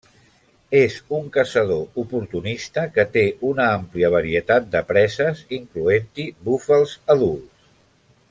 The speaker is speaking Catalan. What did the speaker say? És un caçador oportunista que té una àmplia varietat de preses, incloent-hi búfals adults.